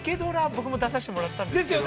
僕も出させてもらったんですけど。